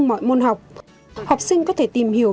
mọi môn học học sinh có thể tìm hiểu